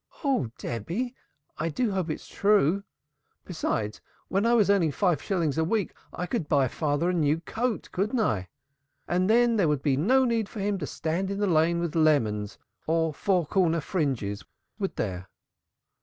"Oh Debby! I do hope that's true. Besides when I was earning five shillings a week, I could buy father a new coat, couldn't I? And then there would be no need for him to stand in the Lane with lemons or 'four corner fringes,' would there?"